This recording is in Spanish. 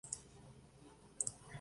Ha sido diseñada por Atkins, Dubái.